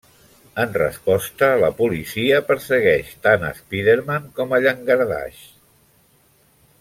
En resposta, la policia persegueix tant a Spiderman com a Llangardaix.